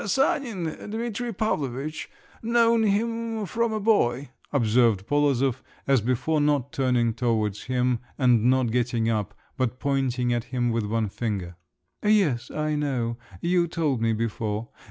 "Sanin, Dmitri Pavlovitch—known him from a boy," observed Polozov, as before not turning towards him and not getting up, but pointing at him with one finger. "Yes…. I know…. You told me before.